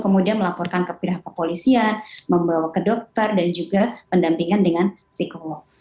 kemudian melaporkan ke pihak kepolisian membawa ke dokter dan juga pendampingan dengan psikolog